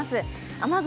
雨雲